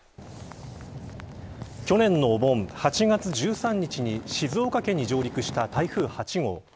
去年のお盆、８月１３日に静岡県に上陸した台風８号。